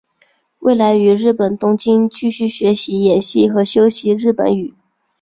未来于日本东京继续学习演戏和修习日本语。